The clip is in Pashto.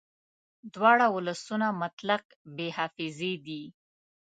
دواړه ولسونه مطلق بې حافظې دي